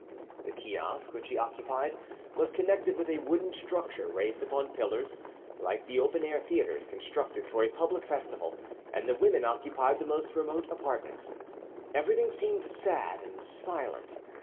The kiosk which he occupied was connected with a wooden structure raised upon pillars, like the open air theatres constructed for a public festival, and the women occupied the most remote apartments. Everything seemed sad and silent.